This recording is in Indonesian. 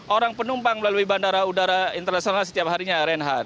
orang penumpang melalui bandara udara internasional setiap harinya reinhardt